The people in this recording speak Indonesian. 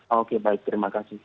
oke baik terima kasih